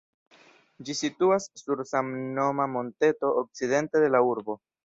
Ĝi situas sur samnoma monteto, okcidente de la urbo.